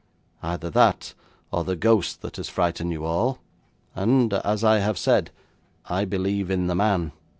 Either that, or the ghost that has frightened you all, and, as I have said, I believe in the man.'